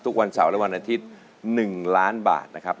ทุกวันเสาร์และวันอาทิตย์๑ล้านบาทนะครับ